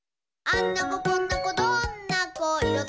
「あんな子こんな子どんな子いろ